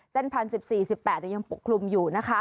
เต้นภันธ์๑๔๑๘ที่ยังปกคลุมอยู่